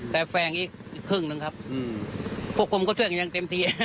แต่แฟลงอีกอีกครึ่งนึงครับอืมพวกมันก็ช่วยกันยังเต็มที